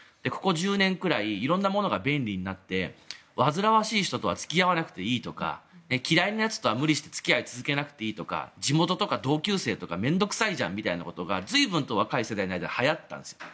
ここ１０年くらい色々なものが便利になって煩わしい人とは付き合わなくていいとか嫌いなやつとは無理して付き合いを続けなくていいと地元とか同級生とか面倒臭いじゃんみたいなことが随分若い世代の間ではやったんです。